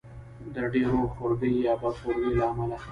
د ډېر خورګۍ یا بد خورګۍ له امله.